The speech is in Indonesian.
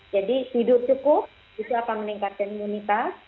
jadi tidur cukup itu akan meningkatkan imunitas